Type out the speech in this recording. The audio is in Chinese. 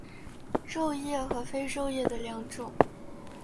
皱叶和非皱叶的两种。